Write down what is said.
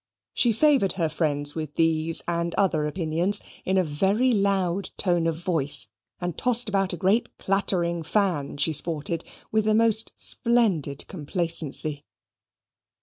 She favoured her friends with these and other opinions in a very loud tone of voice, and tossed about a great clattering fan she sported, with the most splendid complacency.